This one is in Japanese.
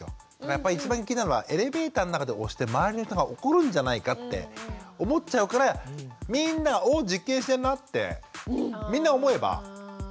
やっぱり一番気になるのはエレベーターの中で押して周りの人が怒るんじゃないかって思っちゃうからみんなが「お実験してんな」ってみんな思えば。